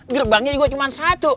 gerbangnya juga cuma satu